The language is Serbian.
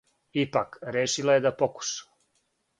Ипак, решила је да покуша.